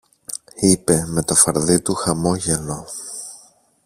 είπε με το φαρδύ του χαμόγελο